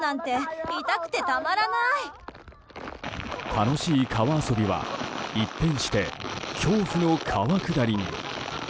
楽しい川遊びは一変して恐怖の川下りに。